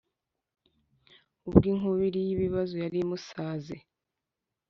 Ubwo inkubiri y’ibibazo yarimusaze